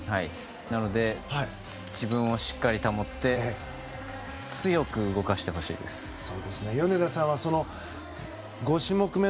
なので自分をしっかり保って強く動かしてほしいです。